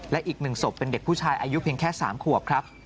และอีก๑ศพเป็นเด็กผู้ชายอายุเพียงแค่๓ขวบครับ